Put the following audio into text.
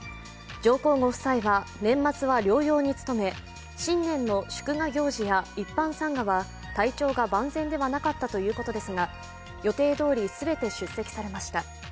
上皇ご夫妻は年末は療養に努め新年の祝賀行事や一般参賀は体調が万全ではなかったということですが予定どおり全て出席されました。